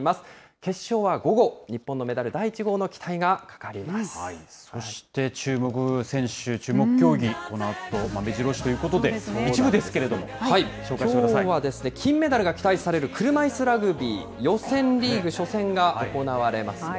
決勝は午後、日本のメダル第１号そして注目選手、注目競技、このあとめじろ押しということで、一部ですけれども、紹介してくだきょうは金メダルが期待される車いすラグビー、予選リーグ初戦が行われますね。